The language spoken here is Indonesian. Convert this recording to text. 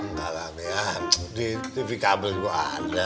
enggak lah mi di tv kabel juga ada